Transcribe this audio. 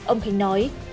ông khánh nói